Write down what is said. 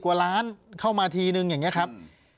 กว่าล้านเข้ามาทีนึงอย่างนี้ครับ